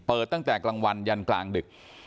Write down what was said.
ตั้งแต่กลางวันยันกลางดึก